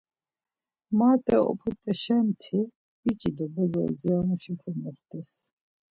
Marte oput̆eşenti biç̌i do bozo odziramuşa komoxtes.